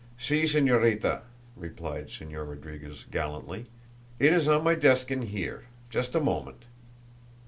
"Si, Señorita," replied Señor Rodriguez gallantly. "It is on my desk in here. Just a moment."